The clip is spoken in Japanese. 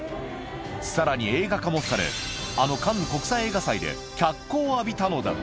さらに映画化もされ、あのカンヌ国際映画祭で脚光を浴びたのだ。